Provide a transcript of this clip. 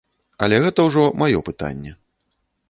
Але гэта ўжо маё пытанне.